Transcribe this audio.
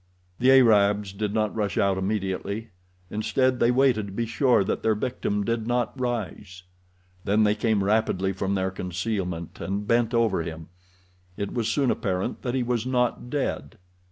The Arabs did not rush out immediately; instead, they waited to be sure that their victim did not rise. Then they came rapidly from their concealment, and bent over him. It was soon apparent that he was not dead.